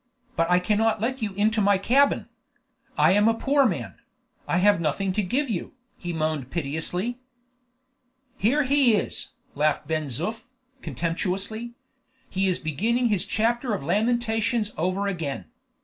"But I cannot let you into my cabin. I am a poor man; I have nothing to give you," he moaned piteously. "Here he is!" laughed Ben Zoof, contemptuously; "he is beginning his chapter of lamentations over again.